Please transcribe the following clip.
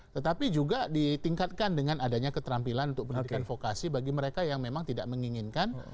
tetapi juga ditingkatkan dengan adanya keterampilan untuk pendidikan vokasi bagi mereka yang memang tidak menginginkan